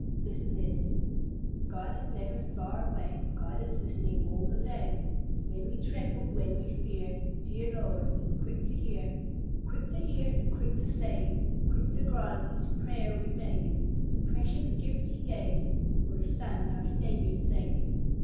This is it: "God is never far away; God is listening all the day. When we tremble, when we fear, The dear Lord is quick to hear, Quick to hear, and quick to save, Quick to grant each prayer we make, For the precious Gift he gave, For his Son our Saviour's sake."